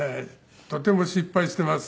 とても失敗しています